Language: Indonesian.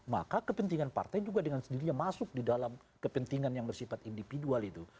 maka kepentingan partai juga dengan sendirinya masuk di dalam kepentingan yang bersifat individual itu